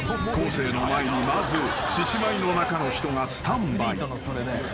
生の前にまず獅子舞の中の人がスタンバイ］